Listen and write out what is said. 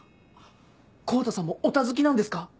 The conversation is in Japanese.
康太さんもオタ好きなんですか？